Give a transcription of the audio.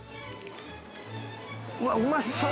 ◆うわっ、うまそう。